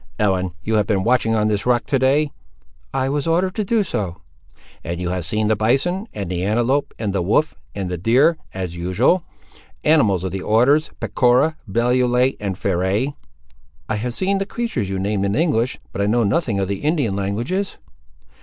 "Ellen, you have been watching on this rock, to day?" "I was ordered to do so." "And you have seen the bison, and the antelope, and the wolf, and the deer, as usual; animals of the orders, pecora, belluae, and ferae." "I have seen the creatures you named in English, but I know nothing of the Indian languages."